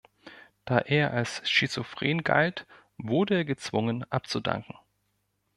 Da er als schizophren galt, wurde er gezwungen, abzudanken.